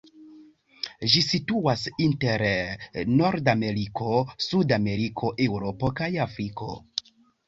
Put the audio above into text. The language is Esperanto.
Ĝi situas inter Nordameriko, Sudameriko, Eŭropo kaj Afriko.